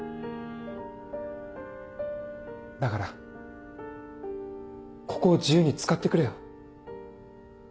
だからここを自由に使ってくれよ。